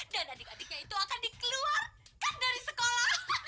dan adik adiknya itu akan dikeluarkan dari sekolah